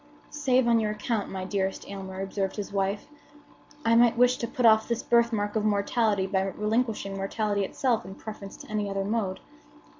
"Save on your account, my dearest Aylmer," observed his wife, "I might wish to put off this birthmark of mortality by relinquishing mortality itself in preference to any other mode.